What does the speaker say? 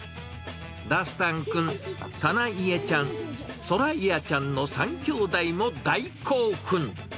ダスタン君、サナイエちゃん、ソライアちゃんの３きょうだいも大興奮。